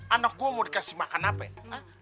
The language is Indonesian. anak gue mau dikasih makan apa ya